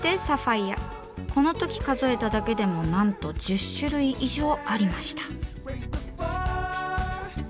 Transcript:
この時数えただけでもなんと１０種類以上ありました。